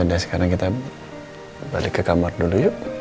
nah sekarang kita balik ke kamar dulu yuk